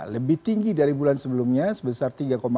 lebih tinggi dari bulan sebelumnya sebesar tiga empat